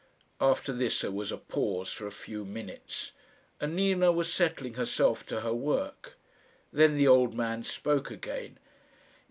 After this there was a pause for a few minutes, and Nina was settling herself to her work. Then the old man spoke again.